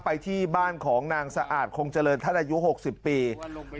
ไปที่บ้านของนางสะอาดคงเจริญท่านอายุ๖๐ปี